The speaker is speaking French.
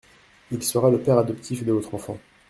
Il sera le père adoptif de votre enfant.